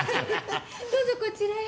どうぞこちらへ。